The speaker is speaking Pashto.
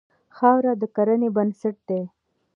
خاوره د کرنې بنسټ دی.